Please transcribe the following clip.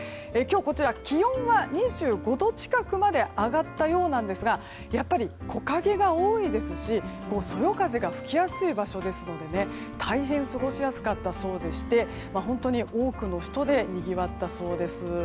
こちら、今日の気温は２５度近くまで上がったようなんですがやっぱり木陰が多いですしそよ風が吹きやすい場所ですので大変過ごしやすかったそうでして本当に多くの人でにぎわったそうです。